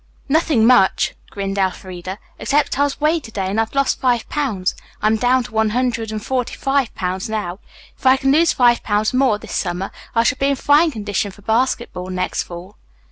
"Nothing much," grinned Elfreda, "except that I was weighed to day and I've lost five pounds. I am down to one hundred and forty five pounds now. If I can lose five pounds more this summer I shall be in fine condition for basketball next fall."